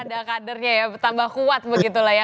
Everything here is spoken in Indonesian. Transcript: pasti akan ada kadernya ya tambah kuat begitu lah ya